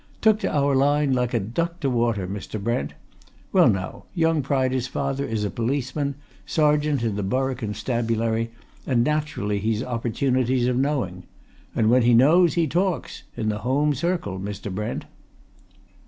Took to our line like a duck to water, Mr. Brent! Well, now, young Pryder's father is a policeman sergeant in the Borough Constabulary, and naturally he's opportunities of knowing. And when he knows he talks in the home circle, Mr. Brent."